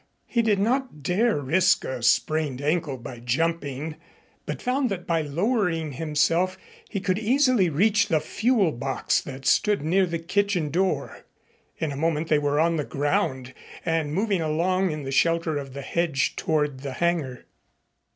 He did not dare risk a sprained ankle by jumping, but found that by lowering himself he could easily reach the fuel box that stood near the kitchen door. In a moment they were on the ground and moving along in the shelter of the hedge toward the hangar.